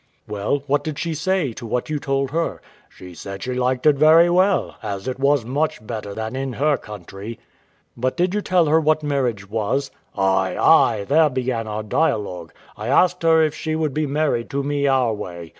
R.C. Well, what did she say to what you told her? W.A. She said she liked it very well, as it was much better than in her country. R.C. But did you tell her what marriage was? W.A. Ay, ay, there began our dialogue. I asked her if she would be married to me our way.